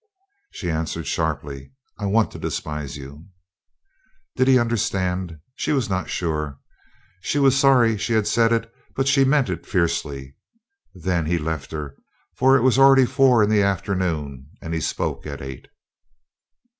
She answered sharply: "I want to despise you!" Did he understand? She was not sure. She was sorry she had said it; but she meant it fiercely. Then he left her, for it was already four in the afternoon and he spoke at eight.